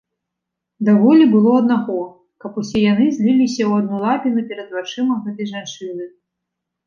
Даволі было аднаго, каб усе яны зліліся ў адну лапіну перад вачыма гэтай жанчыны.